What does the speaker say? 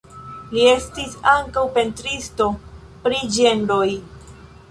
Li estis ankaŭ pentristo pri ĝenroj.